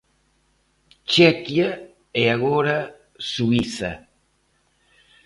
Chequia e agora Suíza.